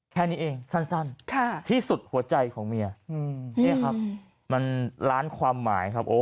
แค่นี้เองที่สุดหัวใจของเมียมันล้านความหมายครับ